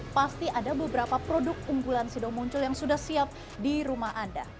pasti ada beberapa produk unggulan sido muncul yang sudah siap di rumah anda